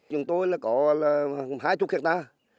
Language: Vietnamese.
chúng tôi có hai mươi hecta